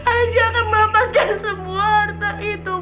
aku akan melepaskan semua harta itu